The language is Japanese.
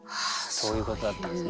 そういうことだったんですね。